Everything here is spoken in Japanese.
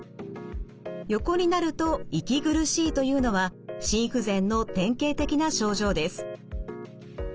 横になると息苦しいというのは心不全の典型的な症状です。